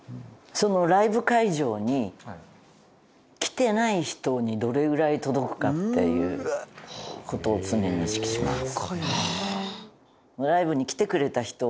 そのライブ会場に来てない人にどれぐらい届くかっていう事を常に意識します。